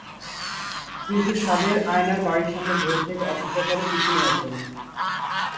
কিন্তু সাবের আয়নার বাড়ির সামনে ভোর থেকে অপেক্ষা করে পিছু নেয়ার জন্য।